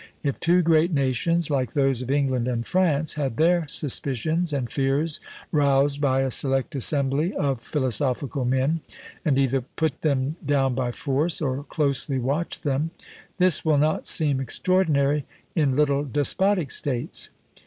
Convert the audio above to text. If two great nations, like those of England and France, had their suspicions and fears roused by a select assembly of philosophical men, and either put them down by force, or closely watched them, this will not seem extraordinary in little despotic states.